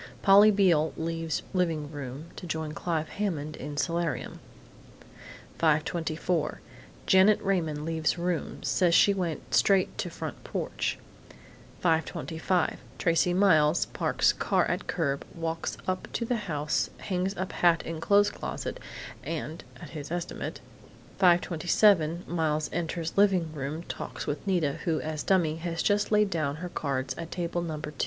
Polly Beale leaves living room to join Clive Hammond in solarium. 5:24 Janet Raymond leaves room; says she went straight to front porch. 5:25 Tracey Miles parks car at curb; walks up to the house, hangs up hat in clothes closet and at (his estimate) 5:27 Miles enters living room, talks with Nita, who, as dummy, has just laid down her cards at Table No. 2.